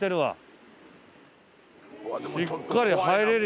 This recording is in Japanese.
しっかり。